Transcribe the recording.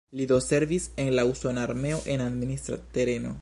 Li do servis en la usona armeo en administra tereno.